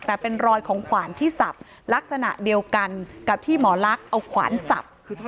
แต่เป็นรอยของขวานที่สับลักษณะเดียวกันกับที่หมอลักษณ์เอาขวานสับ